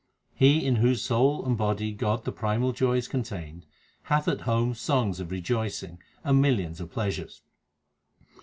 He in whose soul and body God the Primal Joy is con tained, Hath at home songs of rejoicing and millions of pleasures.